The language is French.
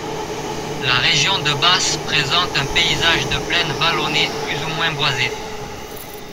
La région de Basses présente un paysage de plaines vallonnées plus ou moins boisées.